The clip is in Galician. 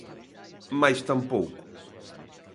Máis tampouco.